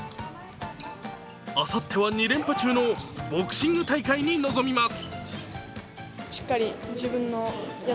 あさっては２連覇中のボクシング大会に臨みます。